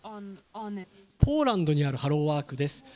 ポーランドにあるハローワークです。